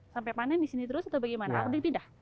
sampai panen di sini terus atau bagaimana